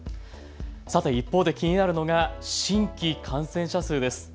さて、一方で気になるのが新規感染者数です。